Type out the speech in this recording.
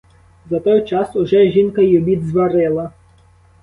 За той час уже жінка й обід зварила.